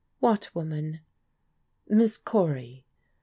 " "What woman?" " Miss Cory.